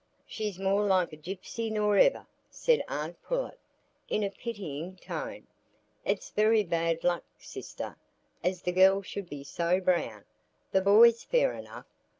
"She's more like a gypsy nor ever," said aunt Pullet, in a pitying tone; "it's very bad luck, sister, as the gell should be so brown; the boy's fair enough.